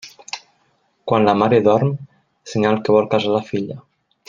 Quan la mare dorm, senyal que vol casar la filla.